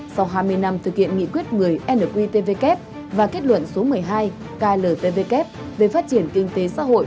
sau hai mươi năm thực hiện nghị quyết người nqtvk và kết luận số một mươi hai về phát triển kinh tế xã hội